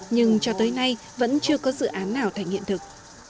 nhưng cho tới nay vẫn chưa có dự án nào thành hiện thực